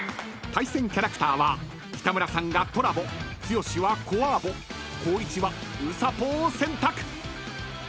［対戦キャラクターは北村さんがトラボ剛はコアーボ光一はウサポを選択］